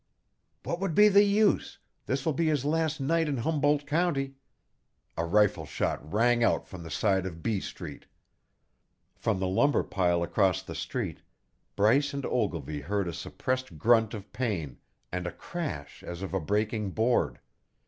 "What would be the use? This will be his last night in Humboldt County " A rifle shot rang out from the side of B Street; from the lumber pile across the street, Bryce and Ogilvy heard a suppressed grunt of pain, and a crash as of a breaking board.